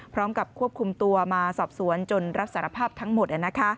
พร้อมกับควบคุมตัวมาสอบสวนจนรับสารภาพทั้งหมด